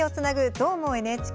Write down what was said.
「どーも、ＮＨＫ」